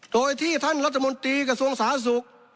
โดยที่ท่านรัฐมนตรีกระทรวงสาธารณสุข